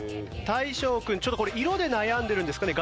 大昇君ちょっとこれ色で悩んでるんですかね？